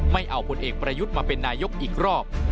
ไม่เอาผลเอกประยุทธ์มาเป็นนายกอีกรอบ